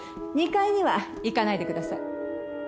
２階には行かないでください。